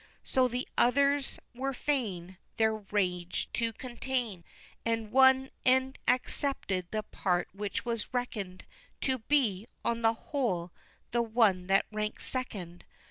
So the others were fain Their rage to contain, And one e'en accepted the part which was reckoned To be, on the whole, the one that ranked second.